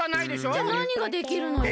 じゃあなにができるのよ？